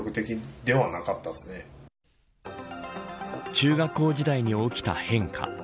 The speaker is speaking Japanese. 中学校時代に起きた変化。